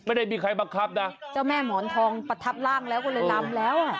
ไม่ได้มีใครบังคับนะเจ้าแม่หมอนทองประทับร่างแล้วก็เลยล้ำแล้วอ่ะ